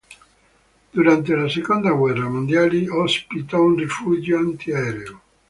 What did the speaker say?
Durante la seconda guerra mondiale ospitò un rifugio antiaereo.